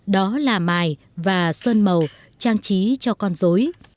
đó là mài và sơn màu trang trí cho con dối